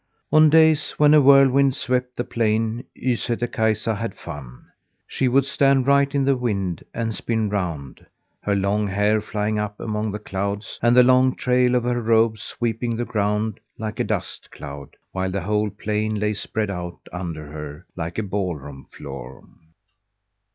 On days when a whirlwind swept the plain, Ysätter Kaisa had fun! She would stand right in the wind and spin round, her long hair flying up among the clouds and the long trail of her robe sweeping the ground, like a dust cloud, while the whole plain lay spread out under her, like a ballroom floor.